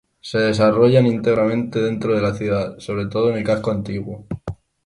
Se desarrollan íntegramente dentro de la ciudad, sobre todo en el casco antiguo.